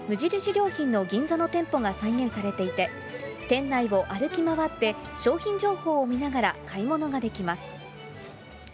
良品の銀座の店舗が再現されていて、店内を歩き回って、商品情報を見ながら買い物ができます。